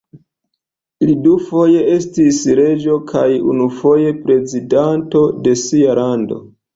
Li dufoje estis reĝo kaj unufoje prezidanto de sia lando.